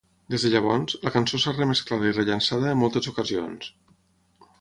Des de llavors, la cançó s'ha remesclada i rellançada en moltes ocasions.